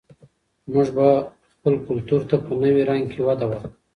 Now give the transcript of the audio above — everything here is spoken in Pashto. موږ به خپل کلتور ته په نوي رنګ کې وده ورکړو.